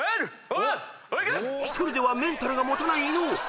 ［１人ではメンタルが持たない伊野尾］